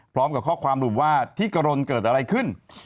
พร้อมกับข้อความรู้ว่าที่กะรนเกิดอะไรขึ้น